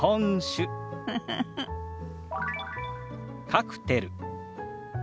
「カクテル」。